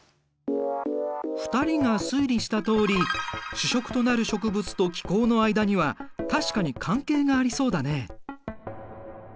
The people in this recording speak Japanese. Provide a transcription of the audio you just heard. ２人が推理したとおり主食となる植物と気候の間には確かに関係がありそうだね。